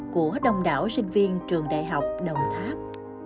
của đông đảo sinh viên trường đại học đồng tháp